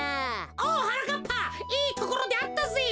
おはなかっぱいいところであったぜ。